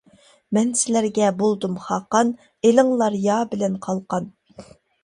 مەن سىلەرگە بولدۇم خاقان، ئېلىڭلار يا بىلەن قالقان.